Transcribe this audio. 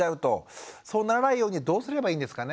そうならないようにはどうすればいいんですかね？